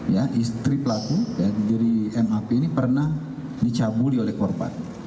ya istri pelaku diri map ini pernah dicabuli oleh korban